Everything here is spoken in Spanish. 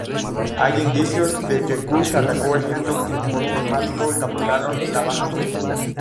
Hay indicios de que Kush atacó el Egipto ptolemaico y capturaron la Baja Nubia.